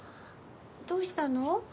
どうしたの？